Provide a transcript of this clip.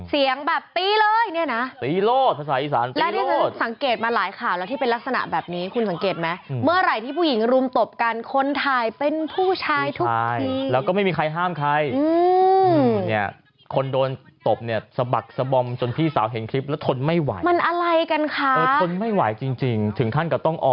เออนั่นไงทำงานนั่นไงเอาไอ้เสื้อมันดับไปขี้ฐาน